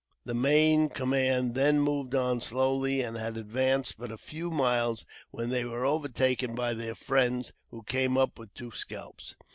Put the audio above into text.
The main command then moved on slowly, and had advanced but a few miles when they were overtaken by their friends, who came up with two scalps.